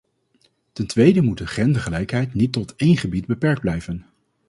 Ten tweede moet de gendergelijkheid niet tot één gebied beperkt blijven.